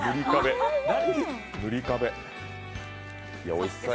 おいしそう。